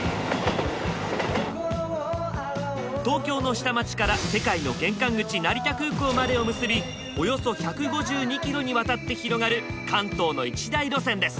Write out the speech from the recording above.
東京の下町から世界の玄関口成田空港までを結びおよそ１５２キロにわたって広がる関東の一大路線です。